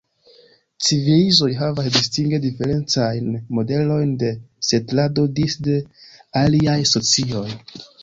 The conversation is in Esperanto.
Civilizoj havas distinge diferencajn modelojn de setlado disde aliaj socioj.